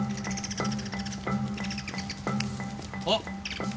あっ！